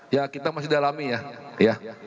ya kita masih dalami ya